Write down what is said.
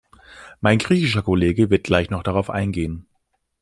Mein griechischer Kollege wird gleich noch darauf eingehen.